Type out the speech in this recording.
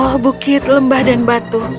allah bukit lembah dan batu